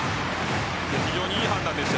非常にいい判断です。